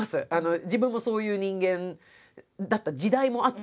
自分もそういう人間だった時代もあったけど。